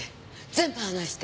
全部話して。